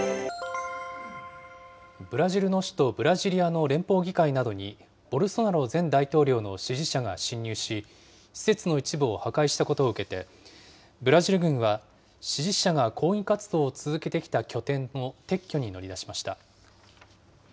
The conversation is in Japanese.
ブラジルの首都ブラジリアの連邦議会などに、ボルソナロ前大統領の支持者が侵入し、施設の一部を破壊したことを受けて、ブラジル軍は、支持者が抗議活動を続けてきた拠点の撤去に乗り出しました。